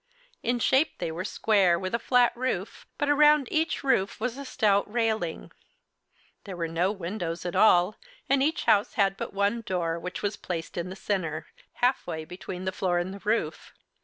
In shape they were square, with a flat roof, but around each roof was a stout railing. There were no windows at all, and each house had but one door, which was placed in the center, halfway between the floor and the roof.